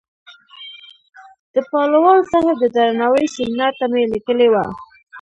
د پالوال صاحب د درناوۍ سیمینار ته مې لیکلې وه.